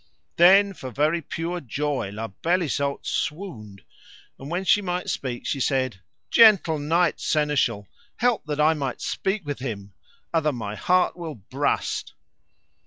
Then for very pure joy La Beale Isoud swooned; and when she might speak she said: Gentle knight Seneschal, help that I might speak with him, outher my heart will brast.